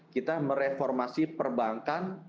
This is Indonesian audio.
kita mereformasi perbankan